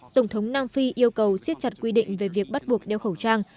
tổng thống nam phi yêu cầu siết chặt quy định về việc bắt buộc đeo khẩu trang